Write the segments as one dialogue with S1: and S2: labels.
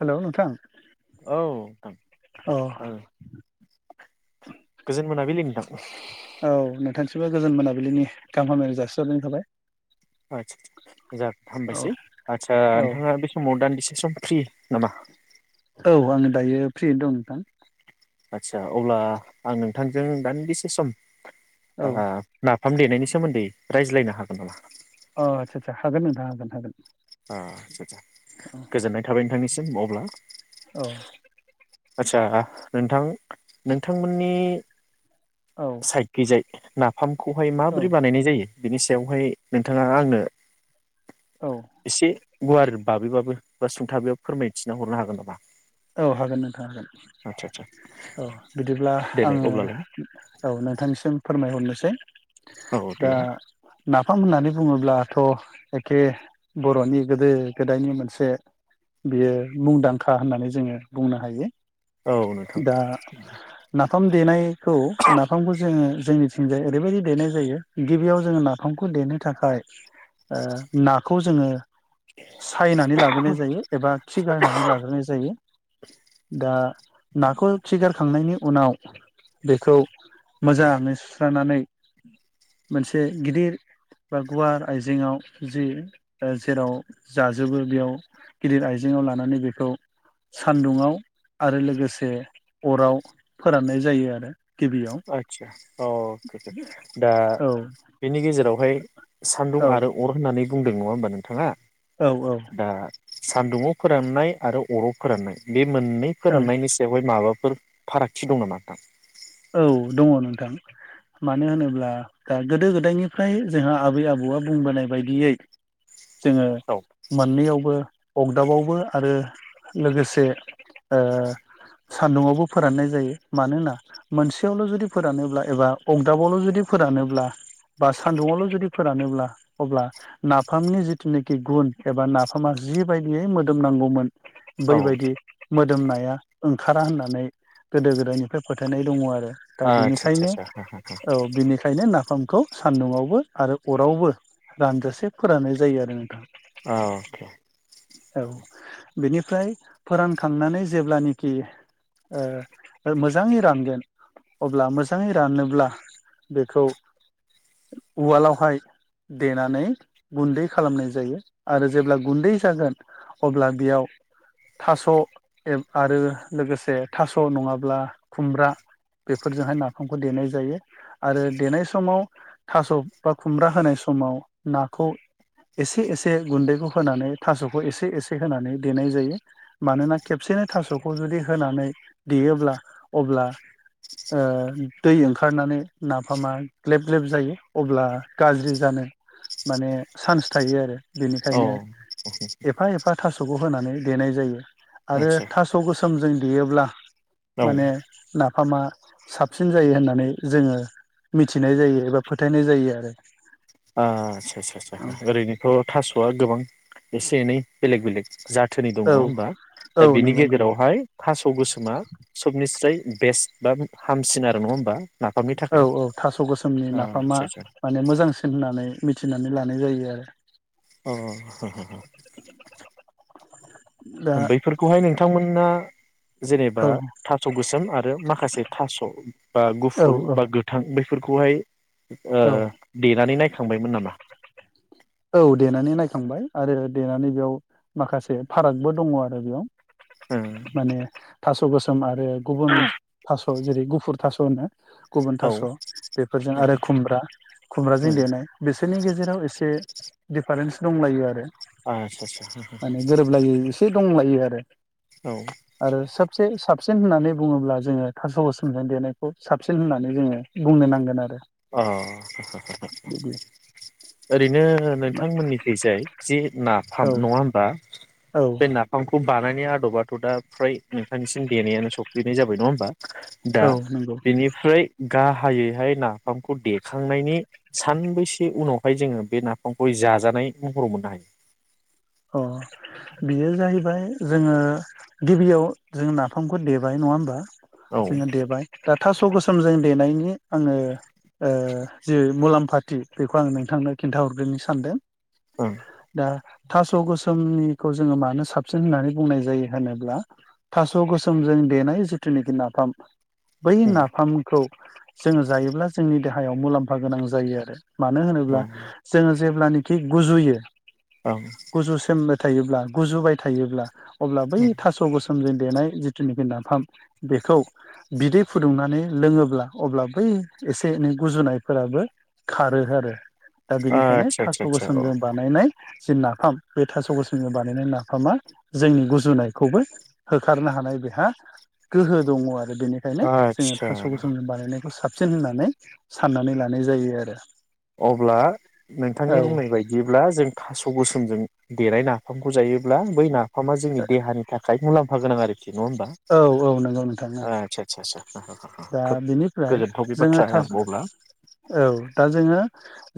S1: Hello नोंथां।
S2: औ नोंथां औ गोजोन मोनाबिलि नोंथां। ब [unintelligible]
S1: औ नोंथांसिमबो गोजोन मोनाबिलिनि गाहाम हामलायनाय जासिहरनाय थाबाय।
S2: आसा जोन
S1: औ
S2: हामबायसै आदसा
S1: औ
S2: नोंथाङा बे समाव दान्दिसे सम फ्रि नामा?
S1: औ आंङो दायो फ्रिनो दं नोंथां।
S2: आदसा अब्ला आं नोंथांजों दान्दिसे सम।
S1: औ
S2: आ फाम देनायनि सोमोन्दै रायज्लायनो हागोन नामा?
S1: अ आदसा आदसा हागोन नोंथां हागोन हागोन।
S2: [unintelligible] गोजोननाय थाबाय नों नोंथांनिसिम अब्ला
S1: औ
S2: आतसा नोंथां नोंथांमोननि
S1: औ
S2: साइतखैजाय ना नाफामखौहाय
S1: औ
S2: माबोरै बानायनाय जायो बिनि सायावहाय नोंथाङा आंनो
S1: औ
S2: एसे गुवार बाबैबाबो बा सुंथाबैबो फोरमायथिना हरनो हागोन नामा
S1: औ हागोन नों हागोन
S2: आदसा आदसा
S1: औ बिदिब्ला
S2: देलाय
S1: आङो
S2: अब्लालाय
S1: औ नोंथांनिसिम फोरमायहरनो
S2: औ
S1: [unintelligible] दा
S2: देलाय
S1: ना नाफाम होननानै बुङोब्लाथ' एखे बर'नि गोदो गोदायनि मोनसे बियो मुंदांखा होननानै जोङो बुंनो हायो
S2: औ नोंथां
S1: दा नाफाम देनायखौ नाफामखौ जोङो जोंनिथिंजाय ओरैबायदि देनाय जायो गिबियाव जोङो नाफामखौ देनो थाखाय ओ नाखौ जोङो सायनानै लाग्रोनाय जायो एबा खि गारनानै लाग्रोनाय जायो दा नाखौ खि गारखांनायनि उनाव बेखौ मोजाङै सुस्रानानै मोनसे गिदिर बा गुवार आइजेङाव जि जेराव जाजोबो बेयाव गिदिर आइजेङाव लानानै बेखौ सान्दुंङाव आरो लोगोसे अराव फोराननाय जायो आरो गिबियाव
S2: आतसा अकेके दा
S1: औ
S2: बेनि गेजेरावहाय सान्दुं
S1: औ
S2: आरो अर होनानै बुंदों नङा होमबा नोंथाङा
S1: औ औ
S2: सान्दुुंङाव फोराननाय आरो अराव फोराननाय बे मोननै
S1: औ
S2: फोराननायनि सायावहाय माबाफोर फारागथि दं नामा नोंथां
S1: औ दङ नोंथां मानो होनोब्ला दा गोदो गोदायनिफ्राय जोंहा आबै आबौआ बुंबोनाय बायदियै जोङो
S2: नोंथां औ
S1: मोननैयावबो अगदाबावबो आरो लोगोसे ओ सान्दुंआवबो फोराननाय जायो मानोना मोनसेयावल' जुदि फोरानोब्ला एबा अगदाबावल' जुदि फोरानोब्ला बा सान्दुङावल' जुदि फोरानोब्ला अब्ला नाफामनि जिथुनेखि गुन एबा नाफामा जिबायदियै मोदोमनांगौमोन
S2: औ
S1: बैबायदि मोदोमनाया ओंखारा होननानै गोदो गोदायनिफ्राय फोथाय नाय दङ आरो दा
S2: आदसा
S1: बिनिखायनो
S2: आदसा आदसा
S1: औ बिनिखायनो नाफाम खौ सान्दुंआवबो आरो अरावबो रानजासे फोराननाय जायो आरो नोंथां
S2: अके
S1: औ बेनिफ्राय फोरानखांनानै जेब्लानोखि ओ मोजाङै रानगोन अब्ला मोजाङै रानोब्ला बेखौ उवालावहाय देनानै गुन्दै खालामनाय जायो आरो जेब्ला गुन्दै जागोन अब्ला बेयाव थास' आरो लोगोसे थास' नङाब्ला खुमब्रा बेफोरजोंहाय नाफामखौ देनाय जायो आरो देनाय समाव थास'बा खुमब्रा होनाय समाव नाखौ एसे एसे गुन्दैखौ होनानै थास'खौ एसे एसे होनानै देनाय जायो। मानोना खेबसेनो थास'खौ जुदि होनानै देयोब्ला अब्ला दै ओ ओंखारनानै नाफामा ग्लेब ग्लेब जायो अब्ला गाज्रि जानो माने चान्स थायो आरो
S2: औ
S1: बेनिखायनो एफा एफा थास'खौ होनानै देनाय जायो आरो
S2: आदसा
S1: थास' गोसो समजों देयोब्ला
S2: औ
S1: माने नाफामा साबसिन जायो होननानै जोङो मिथिनाय जायो एबा फोथायनाय जायो आरो।
S2: आससा आससा आस्सा ओरैनोथ' थास'आ गोबां एसे एनै बेलेग बेलेग जा थोनि दङ
S1: औ
S2: बा
S1: औ
S2: दा बिनि
S1: नंगौ नंगौ
S2: गेजेरावहाय थास' गोसोमा सबनिसाय बेस्ट बा हामसिन आरो नङा होमबा। नाफामनि
S1: औ
S2: थाखाय
S1: औ थास' गोसोमनि नाफामा
S2: आदसा आदसा
S1: माने मोजांसिन होननानै मिथिनानै लानाय जायो आरो।
S2: अ' हो हो
S1: [inaudible]
S2: बैफोरखौहाय नोंथांमोना जेनेबा
S1: औ
S2: थास' गोसोम आरो माखासे थास' बा
S1: औ
S2: गुफुर
S1: औ
S2: बा गोथां बे फोरखौहाय ओ
S1: औ
S2: देनानै नाय थांबायमोन नामा?
S1: औ देनानै नायखांबाय आरो देनानै बेयाव माखासे फारागबो दङ आरो बेयाव माने थास'‌ गोसोम आरो गुबुन थास' जेरै गुफुर थास' होनो गुबुन
S2: औ
S1: थास' बेफोरजों आरो खुमब्रा खुमब्राजों देनाय बिसोरनि गेजेराव एसे दिफारेन्स दंलायो आरो।
S2: आदसा आदसा
S1: माने गोरोबलायो एसे दंलायो आरो
S2: औ
S1: आरो सबसे साब साबसिन होननानै बुङोब्ला जोङो थास'गोसोमजों देनायखौ साबसिन होननानै जोङो बुंनो नांगोन आरो।
S2: अ हो हो हो
S1: बिदि
S2: ओरैनो ओ नोंथांमोननिखैजाय जे नाफाम
S1: औ
S2: नङा होमबा
S1: औ
S2: बे नाफामखौ बानायनाय आदबाथ' दा फ्राय नोंथांनिसिम देनायानो सफैनाय जाबाय नङा होमबा दा
S1: औ नंगौ
S2: बेनिफ्राय गाहायैहाय ना नाफामखौ देखांनायनि सानबोसे उनावहाय जोङो बे नाफामखौ जाजानाय महराव मोननो हायो
S1: अ बेयो जाहैबाय जोङो गिबियाव जों नाफामखौ देबाय नङा होमबा
S2: हायो औ
S1: जोङो
S2: ओं
S1: देबाय दा थास' गोसोम जों देनायनि आङो ओ जि मुलाम्फा पार्टि बेखौ आं नोंथांनो खिन्थाहरग्रोनो सानदों
S2: औ
S1: [unintelligible] थास' गोसोमनिखौ जोङो मानो साबसिन होननानै बुंनाय जायो होनोब्ला थास' गोसोमजों देनाय जिखुनाखि नाफाम बै नाफामखौ जोङो जायोब्ला जोंनि देहायाव मुलाम्फा गोनां जायो आरो मानो
S2: औ
S1: होनोब्ला जोङो जेब्लानोखि गुजुयो
S2: ओं
S1: गुजु सेमबाय थायोब्ला गुजुबाय थायोब्ला अब्ला बै
S2: ओं
S1: थास' गोसो सोमजों देनाय जिथुनुखि नाफाम बेखौ बिदै फुदुंनानै लोङोब्ला अब्ला बै एसे एनै गुजुनायफोराबो खारो आरो दा बेनिखायनो
S2: आदसा
S1: थास'
S2: आदसा आदसा औ
S1: गोसोमजों बानायनाय जि नाफाम बे थास' गोसोमनि बानायनाय नाफामा जोंनि गुजुनायखौबो होखारनो हानाय बेहा गोहो दङ आरो बेनिखायनो जोङो
S2: आदसा
S1: थास' गोसोमजों बानायनायखौ साब साबसिन होननानै साननानै लानाय जायो आरो
S2: अब्ला नोंथांनि बुंनाय बायदिब्ला जों थास' गोसोमजों देरनाय नाफामखौ जायोब्ला बै ना फामा जोंनि देहानि थाखाय मुलाम फागोनां आरो
S1: औ औ नंगौ नोंथां ओं
S2: आदसा आदसा आदसा
S1: दा
S2: खोब
S1: बेनिफ्राय
S2: गोजोनथाव बे
S1: जोङो
S2: बाथ्राया
S1: थास
S2: अब्ला
S1: औ दा जोङो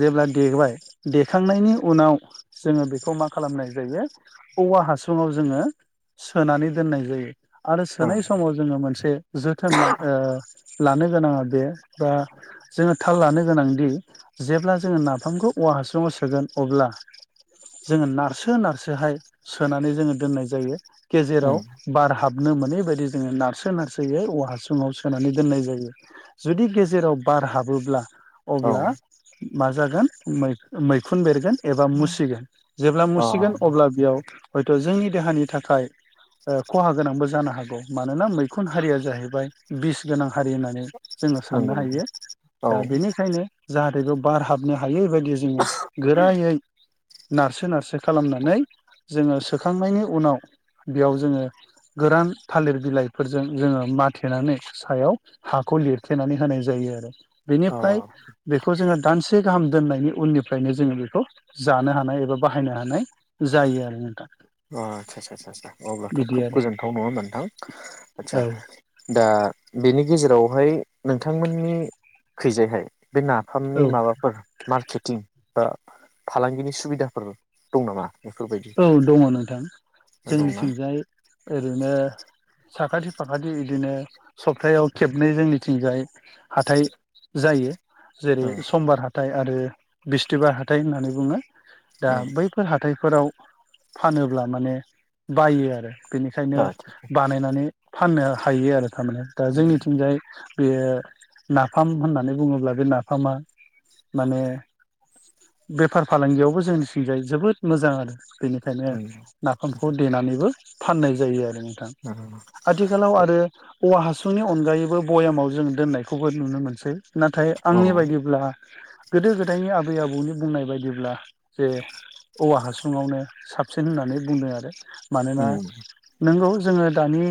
S1: जेब्ला देबाय देखांनायनि उनाव जोङो बेखौ मा खालामनाय जायो औवा हासुङाव जोङो सोनानै दोननाय जायो आरो
S2: ओं
S1: सोनाय समाव जोङो मोनसे जोथोन लानो ओ लानो गोनाङा बे बा जोङो थाल लानो गोनांदि जेब्ला जोङो नाफामखौ औवा हासुङाव सोगोन अब्ला जोङो नारसो नारसोहाय सोनानै जोङो दोननाय जायो गेजेराव
S2: उम
S1: बार हाब हाबनो मोनैबायायदि जोङो नारसो नारसोयै औ हासुङाव सोनानै दोननाय जायो जुदि गेजेराव बार हाबोब्ला
S2: औ
S1: अब्ला मा जागोन मैखुन बेरगोन एबा मुसिगोन जेब्ला
S2: अ
S1: मुसिगोन अब्ला बेयाव हयथ' जोंनि देहानि थाखाय खहा गोनांबो। जानो हागौ मानोना मैखुन हारिया जाहैबाय बिस गोनां हारि होननानै जोङो
S2: नंगौ
S1: साननो
S2: नंगौ
S1: हायो
S2: औ
S1: दा बेनिखायनो जाहाथे खौ बार हाबनो हायै बायदि दि जोङो गोरायै। नारसो नारसो खालामनानै जोङो सोखांनायनि उनाव बेयाव जोङो गोरान थालिर बिलाइफोरजों जोङो माथेनानै सायाव हाखौ लिरथेनानै होनाय जायो आरो।
S2: अ
S1: बेनिफ्राय बेखौ जोङो दानसे गाहाम दोननायनि उननिफ्रायनो जोङो बेखौ जानो हानाय एबा बाहायनो हानाय जायो आरो नोंथा।
S2: अ आचसा आचसा आचसा अब्लाथ' खोब
S1: आरो
S2: गोजोनथाव नङा मोनथां आदसा
S1: औ
S2: दा बेनि गेजेरावहाय नोंथांमोननि खैजायहाय बे नाफामनि
S1: औ
S2: माबाफोर मार्केटिं दा फालांगिनि सुबिदाफोर दं नामा? बेफोरबायदि
S1: औ दङ नोंथां।
S2: दंना
S1: जोंनिथिंजाय ओरैनो साखाथि फाखाथि बिदिनो सप्तायाव खेबनै जों मिथिंजाय हाथाय जायो। जेरै
S2: ओं
S1: समबार हाथाय हाथाय आरो बिस्थिबार हाथाय होननानै बुङो। दा बैफोर हाथायफोराव फानोब्ला माने बायो आरो। बेनिखायनो
S2: ओं
S1: बानायनानै फाननो हायो आरो। थारमे दा जोंनिथिंजाय बेयो नाफाम होननानै बुङोब्ला बे नाफामा माने बेफार फालांगियावबो जोंनिथिंगाय जोबोद मोजां आरो। बेनिखायनो
S2: उम
S1: नाफामखौ देनानैबो फाननाय जायो आरो। आथिखालाव आरो औवा बिनि अनगायैबो ब्यामाव जों दोननायखौबो नुनो मोनसै नाथाय
S2: औ
S1: आंनि बायदिब्ला गोदो गोदायनि आबै आबौनि बुंनाय बायदिब्ला जे औवा हासु सुङावनो साबसिन होननानै बुंदों आरो मानोना नोंगौ जोङो दानि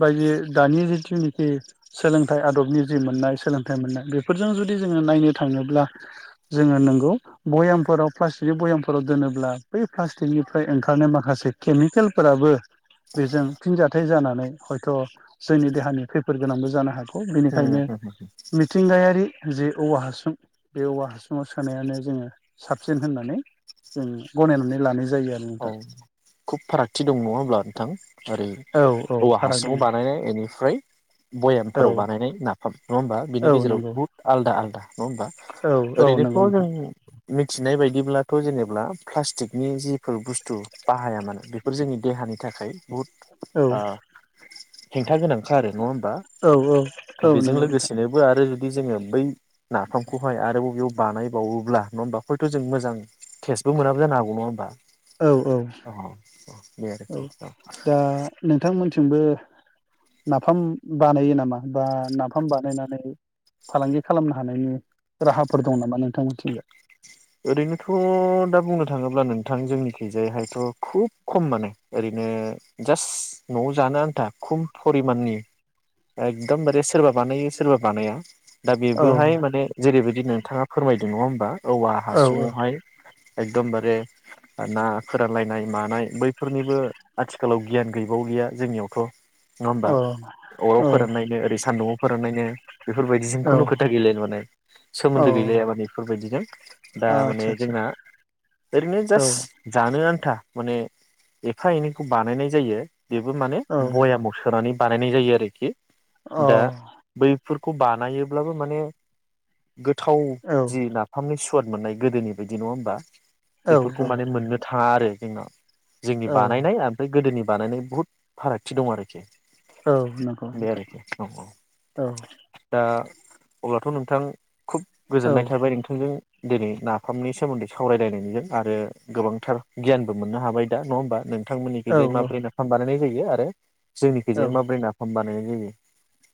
S1: बायदि दानि जिथुनाखि सोलोंथाइ आदबनि जि मोननाय सोलोंथाइ मोननाय बेफोरजों जुदि जोङो नायनो थाङोब्ला जोङो नोंगौ भयामफोराव प्लास्टिकनि भयामफोराव दोनोब्ला बै प्लास्टिकनिफ्राय ओंखारनाय माखासे केमिकेलफोराबो बेजों फिनजथाय जाना नै हयथ' जोंनि देहानि खैफोद गोनांबो जानो हागौ बेनिखायनो
S2: उम
S1: मिथिंगायारि जे औवा हासुं बे औवा हासुुंआव सोनायानो जोङो साबसिन होननानै जों गनायनानै लानाय जायो। आरो
S2: औ
S1: नोंथां
S2: खुब फारागथि दं नङा होमब्ला नोंथां ओरै
S1: औ औ
S2: औवा
S1: फाराग दङ
S2: हासुङाव बानायनाय इनिफ्राय
S1: औ
S2: भयामफोराव बानायनाय नाफाम नङा होमबा?
S1: औ
S2: बिनि गेराव
S1: नंगौ
S2: बुहुत आलदा आलदा नङा होमबा?
S1: औ औ
S2: ओरैनोथ'
S1: नंगौ
S2: जों
S1: नोंथां
S2: मि थिनाय बायदिब्लाथ' जेनेबा प्लास्टिकनि जि फोर बुस्थु बाहाया मानो बेफोर जोंनि देहानि थाखाय बुहुद
S1: औ
S2: हेंथा गोनांखा आरो नङा होम बा
S1: औ औ
S2: थ'
S1: औ
S2: बेजों
S1: नंगौ नोंथां
S2: लोगोसेनोबो आरो जुदि जोङो बै नाफामखौहाय आरोबाव बेयाव बानायबावोब्ला नङा होमबा हयथ' जों मोजां केसबो मोनाबो जानो हागौ नङा होनबा?
S1: औ औ
S2: [inaudible]
S1: औ दा नोंथांमोन थिंबो नाफाम बानायो नामा बा नाफाम बानायनानै फालांगि खालामनो हानायनि राहाफोर दं नामा नोंथांमोनथिंबो?
S2: ओरैनोथ' दा बुंनो थाङोब्ला नोंथां जोंनि खैजाय हायथ' खुब खम माने ओरैनो जास्ट न'आव जानो आन्था खम परिमाननि एकदमबारे सोरबा बानायो सोरबा बानाया दा
S1: औ
S2: बेबोहाय माने जेरैबायदिनो नोंथाङा फोरमायदों नङा होमबा औ। हासुंङाव हाय एकदमबारे ना फोरानलायनाय मानाय बैफोरनिबो आथिखालाव गियान गैबाव गैया जोंनियावथ' नङा
S1: औ
S2: होमबा अराव
S1: औ
S2: फोराननो ओरै सान्दुं फोरान नाय नो। बेफोरबायदिजों खुनु
S1: औ
S2: खोथा गैलाया माने
S1: औ
S2: सोमोन्दो गैलाया माने बेफोरबायदिजों दा माने
S1: आदसा
S2: जोंना ओरैनो
S1: आदसा
S2: जास जानो। आनो आन्था माने एफा एनैखौ बानायनाय जायो। बेबो माने
S1: औ
S2: भयामाव सोनानै बानायनाय जायो आरोखि। दा
S1: औ
S2: बै फोरखौ बानायोब्लाबो माने गोथाव
S1: औ
S2: जि नाफामनि सुवद मोननाय गोदोनि बायदि नङा होमबा
S1: औ
S2: बेफोरखौ माने
S1: औ
S2: मोननो थाङा आरो जोंना जोंनि
S1: औ
S2: बानायनाय ओमफ्राय गोदोनि बानायनाय बुहुद फारागथि दं आरोखि
S1: औ नंगौ
S2: बे
S1: नोंथां
S2: आरोखि औ
S1: औ
S2: दा अब्लाथ' नोंथां। खुब
S1: औ
S2: गोजोननाय थाबाय नोंथांजों दिनै नाफामनि सोमोन्दै सावरायलायनायनिजों आरो गोबांथार गियानबो मोननो हाबाय दा नङा होमबा नों
S1: औ
S2: बिथांमोननिखैजाय माबोरै नाफाम बानायनाय जायो। आरो
S1: औ
S2: जोंनिखोजाय माबोरै नाफाम बायनाय।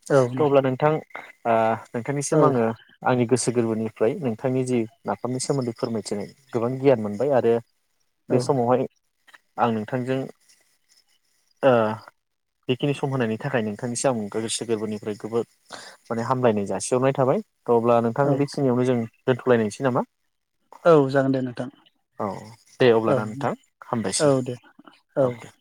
S2: [unintelligible] अब्ला नोंथां आ नोंथांनिसिम
S1: औ
S2: आङो आंनि गोसो गोरबोनिफ्राय नोंथांनि जि नाफामनि सोमोन्दै फोरमायथिनाय गोबां गियान मोनबाय आरो।
S1: औ
S2: बे समावहाय आं नोंथांजों ओ बेखिनि सम होनायनि थाखाय नोंथांनिसिम आं गो गोसो गोरबोनिफ्राय जोबोद माने हामलायनाय जासिहरनाय थाबाय। थ अब्ला नोंथां
S1: औ
S2: बेखिनियावनो जों दोन'थलायनोसै नामा?
S1: औ जागोन दे नोंथां।
S2: औ दे
S1: औ
S2: अब्लाना
S1: दे
S2: नोंथां
S1: औ
S2: हामबायसै
S1: दे
S2: औ दे।